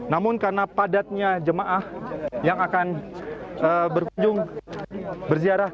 namun karena padatnya jemaah yang akan berkunjung berziarah ke gua hira